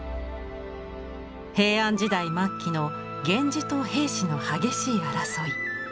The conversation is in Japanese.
平安時代末期の源氏と平氏の激しい争い。